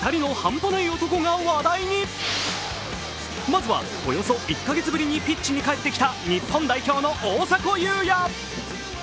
まずはおよそ１カ月ぶりにピッチに帰ってきた日本代表の大迫勇也。